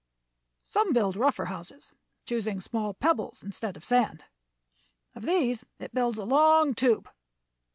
"Some build rougher houses, choosing small pebbles instead of sand. Of these it builds a long tube.